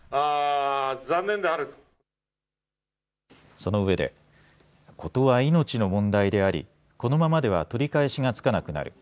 そのうえで、事は命の問題でありこのままでは取り返しがつかなくなる。